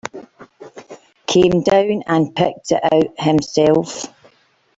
Came down and picked it out himself.